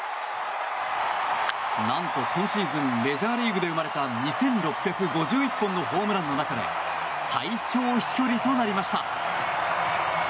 何と、今シーズンメジャーリーグで生まれた２６５１本のホームランの中で最長飛距離となりました。